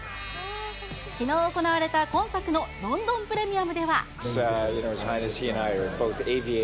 きのう行われた今作のロンドンプレミアムでは。